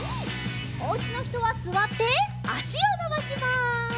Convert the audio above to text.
おうちのひとはすわってあしをのばします。